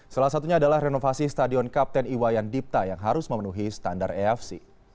salah satunya adalah renovasi stadion kapten iwayan dipta yang harus memenuhi standar efc